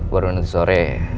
baru baru nanti sore